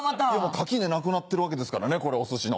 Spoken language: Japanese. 垣根なくなってるわけですからねこれお寿司の。